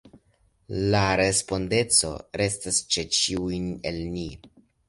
La respondeco restas ĉe ĉiuj el ni.